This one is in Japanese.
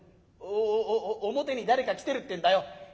おおお表に誰か来てるってんだよ」。